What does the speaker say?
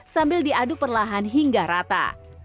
sambil diaduk perlahan hingga rata